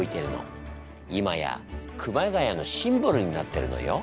今や熊谷のシンボルになってるのよ。